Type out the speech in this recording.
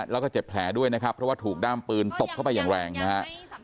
แล้วก็เจ็บแผลด้วยนะครับเพราะว่าถูกด้ามปืนตบเข้าไปอย่างแรงนะฮะ